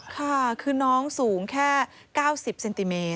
ค่ะคือน้องสูงแค่๙๐เซนติเมตร